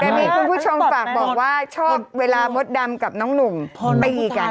แต่มีคุณผู้ชมฝากบอกว่าชอบเวลามดดำกับน้องหนุ่มตีกัน